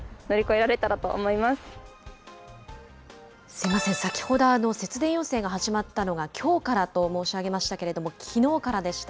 すみません、先ほど節電要請が始まったのがきょうからと申し上げましたけれども、きのうからでした。